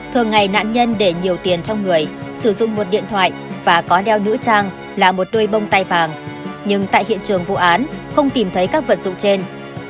thường ngày nạn nhân để nhiều tiền trong người sử dụng một điện thoại và có đeo nữ trang là một đôi bông tay vàng nhưng tại hiện trường vụ án không tìm thấy các vật dụng trên